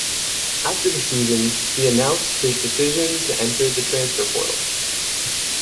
After the season he announced his decision to enter the transfer portal.